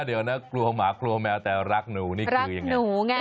เดี๋ยวนะกลัวหมากลัวแมวแต่รักหนูนี่คือยังไงหนูไง